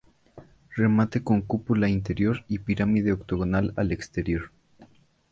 Remate con cúpula interior y pirámide octogonal al exterior.